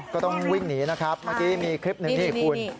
ก็ต้องวิ่งหนีนะครับเมื่อกี้มีคลิปหนึ่งนี่คุณ